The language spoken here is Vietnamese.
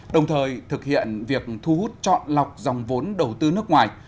đồng thời thực hiện việc thu hút chọn lọc dòng vốn đầu tư nước ngoài